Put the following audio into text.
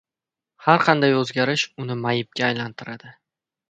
har qanday oʻzgarish uni mayibga aylantiradi.